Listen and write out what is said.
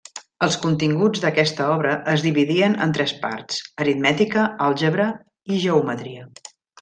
Els continguts, d'aquesta obra es dividien en tres parts; aritmètica, àlgebra i geometria.